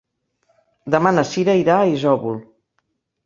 Demà na Sira irà a Isòvol.